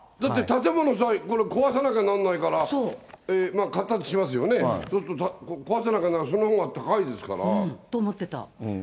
だって、建物、壊さなきゃならないから、買ったとしますよね、そうすると、壊さなきゃならない、と思ってた。